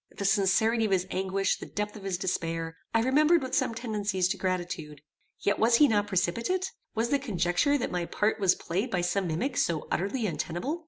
The sincerity of his anguish, the depth of his despair, I remembered with some tendencies to gratitude. Yet was he not precipitate? Was the conjecture that my part was played by some mimic so utterly untenable?